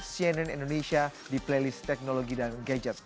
cnn indonesia di playlist teknologi dan gadget